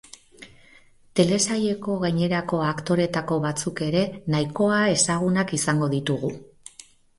Telesaileko gainerako aktoreetako batzuk ere nahikoa ezagunak izango ditugu.